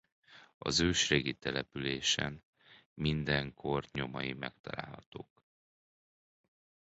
Az ősrégi településen minden kor nyomai megtalálhatók.